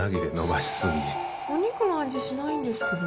お肉の味しないんですけど。